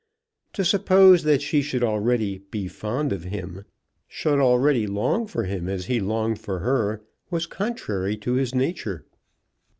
To suppose that she should already "be fond of him," should already long for him as he longed for her, was contrary to his nature.